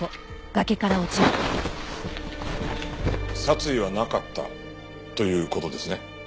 殺意はなかったという事ですね？